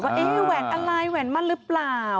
ว่าแหวนอะไรแหวนมั่นหรือเปล่า